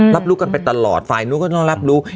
รับรู้กันไปตลอดฝ่ายนู้นก็ต้องรับรู้